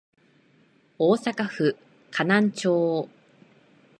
大阪府河南町